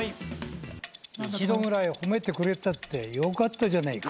一度くらい褒めてくれたってよかったじゃないか。